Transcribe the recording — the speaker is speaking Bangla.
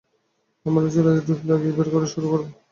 আমরা ছেলেদের ডুব লাগিয়ে বের করা শুরু করবো।